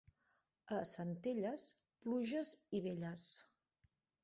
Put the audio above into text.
A Centelles, pluges i velles.